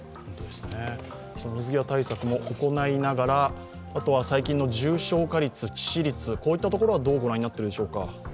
水際対策も行いながら、あとは最近の重症化率、致死率はどう御覧になってるでしょうか？